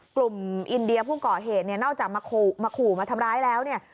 กลุ่มอินเดียผู้ก่อเหตุเนี่ยนอกจากมาขู่มาทำร้ายแล้วเนี่ย